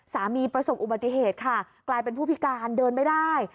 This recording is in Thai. ประสบอุบัติเหตุค่ะกลายเป็นผู้พิการเดินไม่ได้